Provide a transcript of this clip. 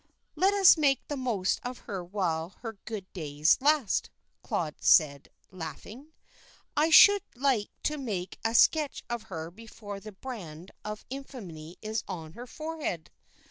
"Let us make the most of her while her good days last," Claude said, laughing. "I should like to make a sketch of her before the brand of infamy is on her forehead.